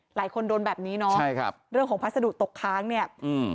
หลายคนโดนแบบนี้เนอะเรื่องของพัสดุตกค้างเนี่ย